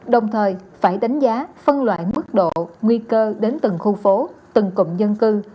đồng thời phải đánh giá phân loại mức độ nguy cơ đến từng khu phố từng cụm dân cư